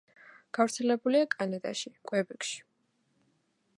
გავრცელებულია კანადაში, კვებეკში.